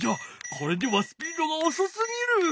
これではスピードがおそすぎる！